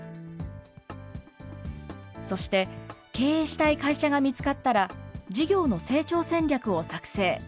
そして経営したい会社が見つかったら、事業の成長戦略を作成。